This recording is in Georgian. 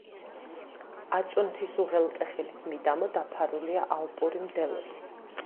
აწუნთის უღელტეხილის მიდამო დაფარულია ალპური მდელოთი.